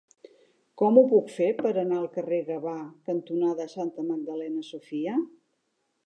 Com ho puc fer per anar al carrer Gavà cantonada Santa Magdalena Sofia?